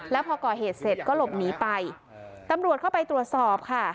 แล้วพอก่อเหตุเสร็จก็หลบหนีไปตำรวจเข้าไปตรวจสอบค่ะ